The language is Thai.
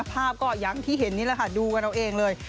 ภาพก็อย่างที่เห็นนี่แหละค่ะดูกันเอาเองเลย